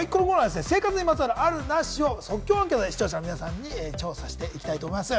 生活にまつわるある、なしを即興アンケートで視聴者の皆さんに調査していきたいと思います。